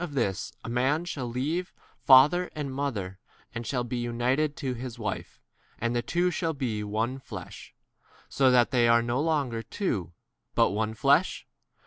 7 For this cause a man shall leave his father and mother and shall 8 be joined to his wife, and they two shall be a one flesh : so that they are no longer two, but one 9 flesh.